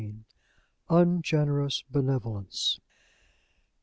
UNGENEROUS BENEVOLENCE.